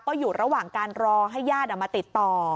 ก็อยู่ระหว่างการรอให้ญาติมาติดต่อ